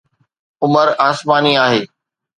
عمر آسماني آهي